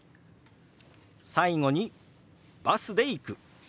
最後に「バスで行く」。